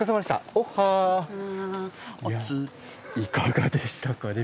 いかがでしたか？